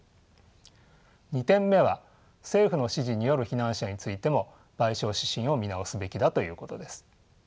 ２点目は政府の指示による避難者についても賠償指針を見直すべきだということです。